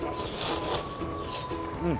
うん。